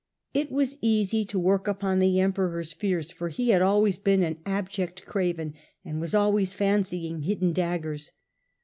It was easy to work upon the Emperor's fears, for he had always been an abject craven, and was always fancying hidden daggers.